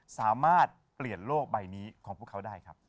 สามารถเปลี่ยนโลกใบนี้ของพวกเขาได้ครับ